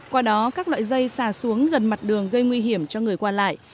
qua đó các loại dây xà xuống gần mặt đường gây nguy hiểm cho người qua lại